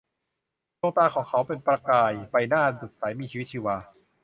ดวงตาของเขาเป็นประกาย ใบหน้าสดใสมีชีวิตชีวา